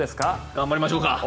頑張りましょうか。